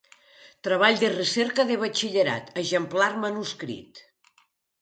Treball de recerca de Batxillerat, exemplar manuscrit.